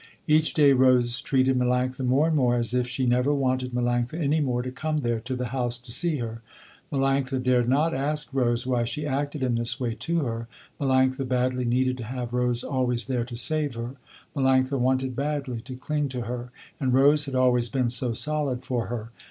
Each day Rose treated Melanctha more and more as if she never wanted Melanctha any more to come there to the house to see her. Melanctha dared not ask Rose why she acted in this way to her. Melanctha badly needed to have Rose always there to save her. Melanctha wanted badly to cling to her and Rose had always been so solid for her.